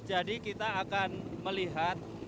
jadi kita akan melihat